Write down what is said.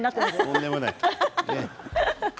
とんでもない。